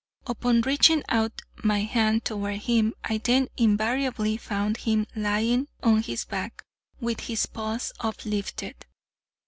Upon reaching out my hand toward him, I then invariably found him lying on his back, with his paws uplifted.